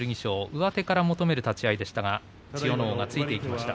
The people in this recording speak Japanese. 上手から求める立ち合いでしたが千代ノ皇が突いていきました。